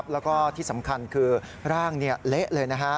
แล้วก็ที่สำคัญคือร่างเละเลยนะฮะ